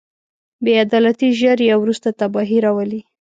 بې عدالتي ژر یا وروسته تباهي راولي.